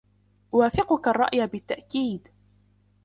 أوافقك الرأي بالتأكيد.